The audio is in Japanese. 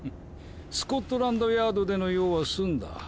スコットランドヤードでの用は済んだ。